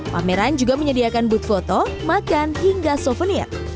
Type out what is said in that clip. pameran juga menyediakan booth foto makan hingga souvenir